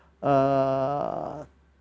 untuk anak anak kelas dua belas sma